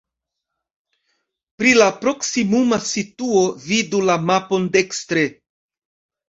Pri la proksimuma situo vidu la mapon dekstre.